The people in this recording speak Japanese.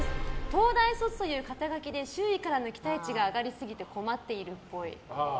東大卒という肩書で周囲からの期待値が上がりすぎて困っているっぽい。